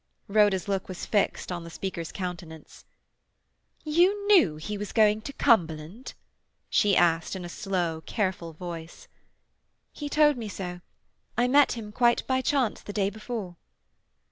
Rhoda's look was fixed on the speaker's countenance. "You knew he was going to Cumberland?" she asked in a slow, careful voice. "He told me so. I met him, quite by chance, the day before."